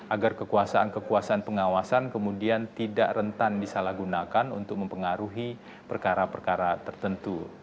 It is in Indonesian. agar kekuasaan kekuasaan pengawasan kemudian tidak rentan disalahgunakan untuk mempengaruhi perkara perkara tertentu